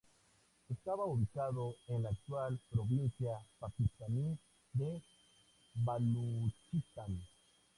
Estaba ubicado en la actual provincia pakistaní de Baluchistán.